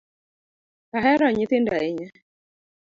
Ahero nyithindo ahinya.